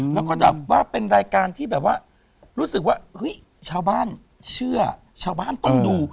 แล้วก็แบบว่าเป็นรายการที่แบบว่ารู้สึกว่าเฮ้ยชาวบ้านเชื่อชาวบ้านต้องดู